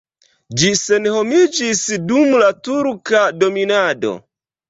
Ĝi senhomiĝis dum la turka dominado.